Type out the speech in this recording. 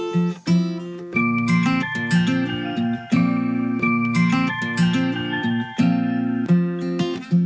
hẹn gặp lại